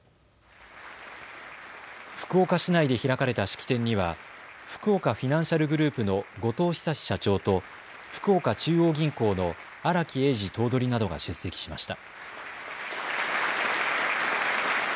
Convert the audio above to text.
福岡市内で開かれた式典にはふくおかフィナンシャルグループの五島久社長と福岡中央銀行の荒木英二頭取などが出席しました。